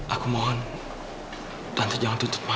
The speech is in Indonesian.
aku mohon tante jangan tuntut mama